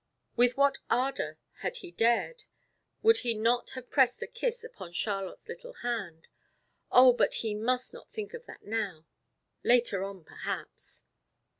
With what ardor, had he dared, would he not have pressed a kiss upon Charlotte's little hand! Oh, but he must not think of that now! Later on, perhaps!